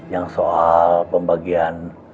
yang soal pembagian